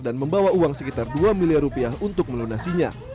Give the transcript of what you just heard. dan membawa uang sekitar dua miliar rupiah untuk melunasinya